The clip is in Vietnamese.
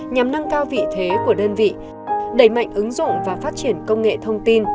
nhằm nâng cao vị thế của đơn vị đẩy mạnh ứng dụng và phát triển công nghệ thông tin